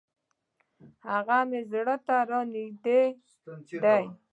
هغه مي زړه ته را نژدې ده .